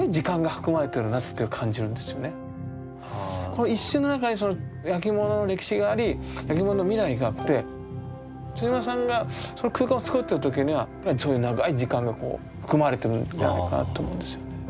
この一瞬の中にその焼き物の歴史があり焼き物の未来があって村さんがその空間を作ってる時にはそういう長い時間が含まれてるんじゃないかなと思うんですよね。